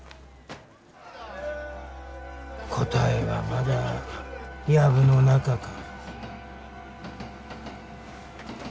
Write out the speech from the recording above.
答えはまだヤブの中か。